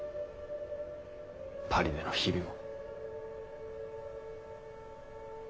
パリでの日々も。